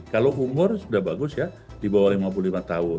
kalau umur sudah bagus ya di bawah lima puluh lima tahun